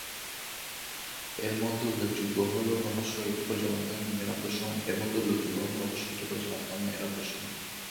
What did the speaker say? এরমধ্যে উল্লেখযোগ্য হলো "রহস্য", এটি পরিচালনা করেন মেহের আফরোজ শাওন।